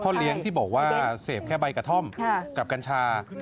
เลี้ยงที่บอกว่าเสพแค่ใบกระท่อมกับกัญชา